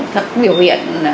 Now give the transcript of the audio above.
thật biểu hiện